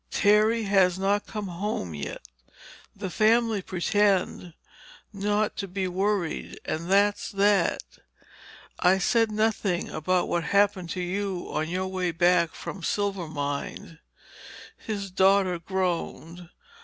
"Terry has not come home yet. The family pretend not to be worried—and that's that. I said nothing about what happened to you on your way back from Silvermine." His daughter groaned.